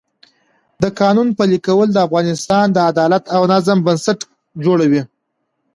د قانون پلي کول د افغانستان د عدالت او نظم بنسټ جوړوي